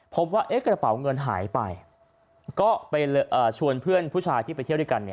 พบว่ากระเป๋าเงินหายไปก็ไปชวนเพื่อนผู้ชายที่ไปเที่ยวด้วยกัน